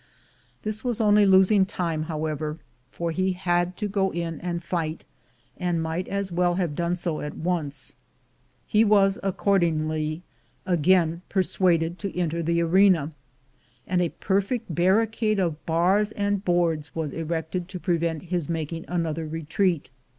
This was only losing time, however, for he had to go in and fight, and might as well have done so at once. He was accordingly again persuaded to enter the arena, and a perfect barricade of bars and boards was erected to prevent his making another retreat.